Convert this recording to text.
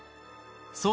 そう